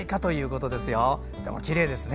とてもきれいですね。